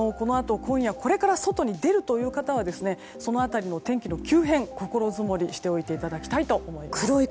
このあと今夜これから外に出る方はその辺りの天気の急変心づもりしていただければと思います。